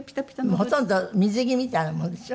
もうほとんど水着みたいなものでしょ？